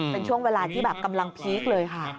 เป็นช่วงเวลาที่แบบกำลังพีคเลยค่ะ